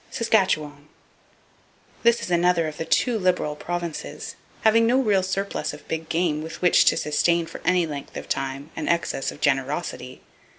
Saskatchewan. —This is another of the too liberal provinces having no real surplus of big game with which to sustain for any length of time an excess of generosity.